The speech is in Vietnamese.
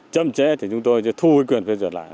châm chế thì chúng tôi sẽ thu quyền phê duyệt lại